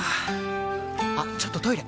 あっちょっとトイレ！